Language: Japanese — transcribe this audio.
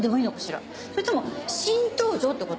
それとも新登場って事？